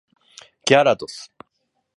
ギャラドス